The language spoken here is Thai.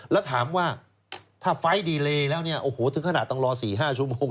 แล้วถามว่าถ้าไฟล์ดีเลแล้วเนี่ยโอ้โหถึงขนาดต้องรอ๔๕ชั่วโมง